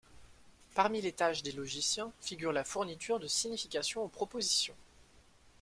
Parmi les tâches des logiciens figure la fourniture de signification aux propositions.